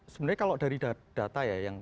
sebenarnya kalau dari data ya